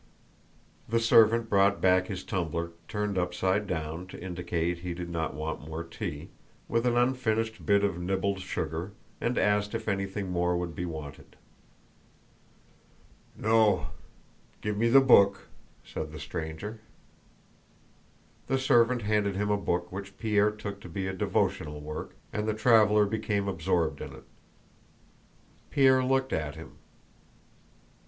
The servant brought back his tumbler turned upside down, * with an unfinished bit of nibbled sugar, and asked if anything more would be wanted. * To indicate he did not want more tea. "No. Give me the book," said the stranger. The servant handed him a book which Pierre took to be a devotional work, and the traveler became absorbed in it. Pierre looked at him.